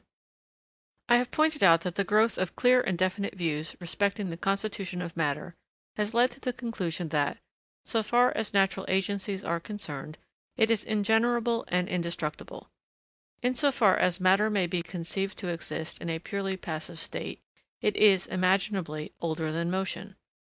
] I have pointed out that the growth of clear and definite views respecting the constitution of matter has led to the conclusion that, so far as natural agencies are concerned, it is ingenerable and indestructible. In so far as matter may be conceived to exist in a purely passive state, it is, imaginably, older than motion.